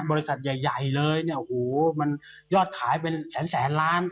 บริษัทใหญ่ใหญ่เลยเนี่ยโอ้โหมันยอดขายเป็นแสนแสนล้าน